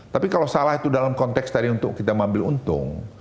tapi kalau salah itu dalam konteks tadi untuk kita mengambil untung